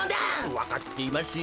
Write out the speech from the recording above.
わかっていますよ。